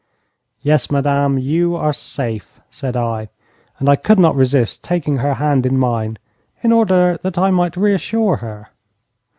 'Yes, madam, you are safe,' said I, and I could not resist taking her hand in mine in order that I might reassure her.